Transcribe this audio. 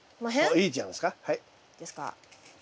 ああいいんじゃないですか。